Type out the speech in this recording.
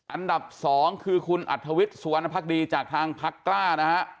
อันดับ๒คือคุณอัธวิทย์สุวรรณภักดีจากทางพักกล้านะฮะ